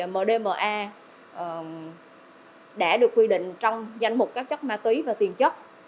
mdma đã được quy định trong danh mục các chất ma túy và tiền chất